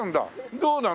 どうなの？